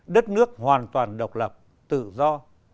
đất nước hoàn toàn độc lập tự do